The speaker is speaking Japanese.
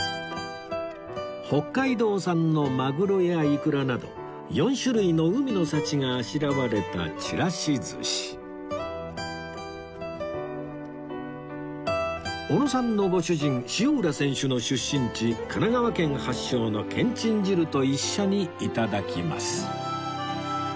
北海道産のマグロやイクラなど４種類の海の幸があしらわれたちらし寿司おのさんのご主人塩浦選手の出身地神奈川県発祥のけんちん汁と一緒に頂きます